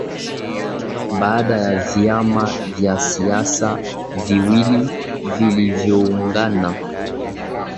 baada ya Vyama vya siasa viwili vilivyoungana